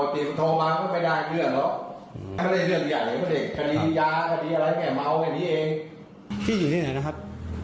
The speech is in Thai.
พี่ยังจะเสียนะครับ